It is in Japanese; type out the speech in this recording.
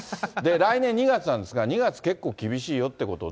来年２月なんですが、２月結構厳しいよということで。